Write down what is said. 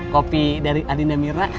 kopi dari adinda mira